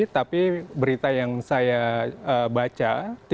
tapi berita yang saya baca